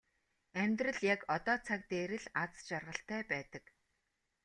Амьдрал яг одоо цаг дээр л аз жаргалтай байдаг.